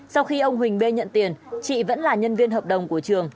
sau khi ông huỳnh bê nhận tiền chị vẫn là nhân viên hợp đồng của trường